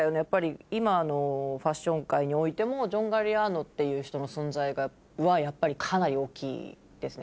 今のファッション界においてもジョン・ガリアーノっていう人の存在はやっぱりかなり大きいですね。